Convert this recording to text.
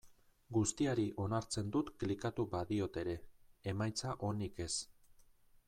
Guztiari onartzen dut klikatu badiot ere, emaitza onik ez.